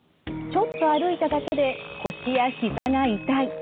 ちょっと歩いただけで腰やひざが痛い。